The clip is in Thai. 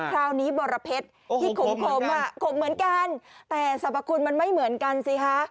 คราวนี้บรเพชรที่ขมอ่ะขมเหมือนกันแต่สรรพคุณมันไม่เหมือนกันสิคะ